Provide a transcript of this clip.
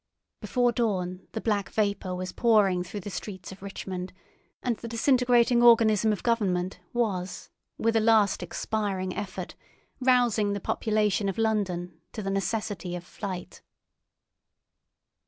Before dawn the black vapour was pouring through the streets of Richmond, and the disintegrating organism of government was, with a last expiring effort, rousing the population of London to the necessity of flight.